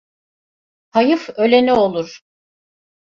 Hayıf ölene olur.